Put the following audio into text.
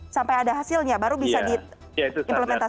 sampai ada hasilnya baru bisa diimplementasikan